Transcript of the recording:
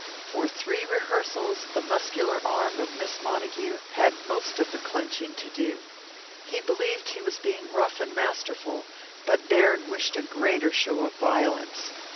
For three rehearsals the muscular arm of Miss Montague had most of the clenching to do. He believed he was being rough and masterful, but Baird wished a greater show of violence.